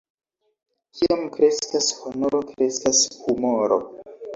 Kiam kreskas honoro, kreskas humoro.